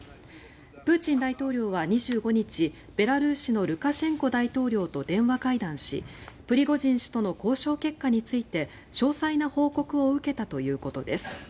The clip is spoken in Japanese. プーチン大統領は２５日ベラルーシのルカシェンコ大統領と電話会談しプリゴジン氏との交渉結果について詳細な報告を受けたということです。